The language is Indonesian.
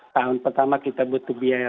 tahun pertama kita butuh biaya